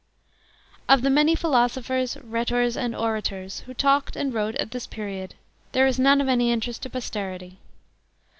Of the many philosophers, rhetors and orators, who talked and wrote at this period, there is none of any interest to posterity.